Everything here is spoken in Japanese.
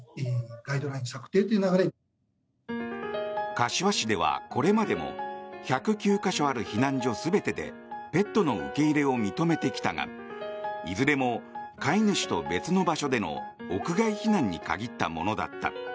柏市ではこれまでも１０９か所ある避難所全てでペットの受け入れを認めてきたがいずれも飼い主と別の場所での屋外避難に限ったものだった。